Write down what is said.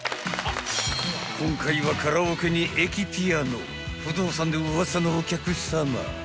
［今回はカラオケに駅ピアノ不動産でウワサのお客さま］